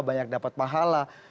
banyak dapat pahala